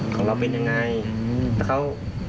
ของเราเป็นอย่างไร